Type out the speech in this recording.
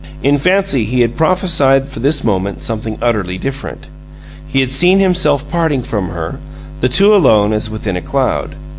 In fancy he had prophesied for this moment something utterly different. He had seen himself parting from her, the two alone as within a cloud.